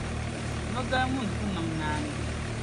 Nogal’ muni ku niŋ naani.